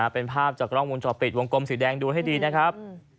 เป็นภาพจากกล้องวงจรปิดวงกลมสีแดงดูให้ดีนะครับ